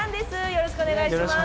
よろしくお願いします。